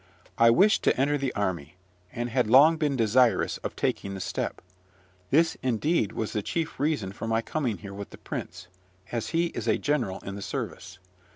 I wished to enter the army, and had long been desirous of taking the step. This, indeed, was the chief reason for my coming here with the prince, as he is a general in the service.